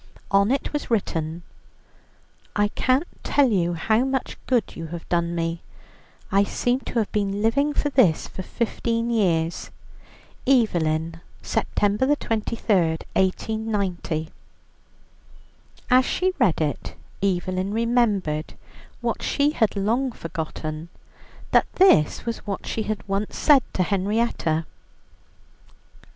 On it was written, "I can't tell you how much good you have done me, I seem to have been living for this for fifteen years. EVELYN, September 23, 1890." As she read it, Evelyn remembered, what she had long forgotten, that this was what she had once said to Henrietta.